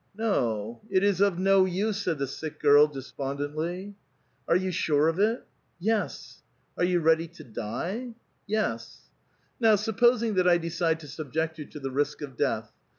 " No ; it is of no use," said the sick girl, despondently. " Arc you sure of it? " "Yes." " Are vou ready to die ?" "Yes." " Now supposing that I decide to subject you to the risk of death.